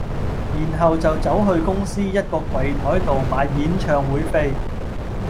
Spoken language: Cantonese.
然後就走去公司一個櫃檯度買演唱會飛